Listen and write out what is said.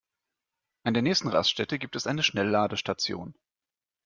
An der nächsten Raststätte gibt es eine Schnellladestation.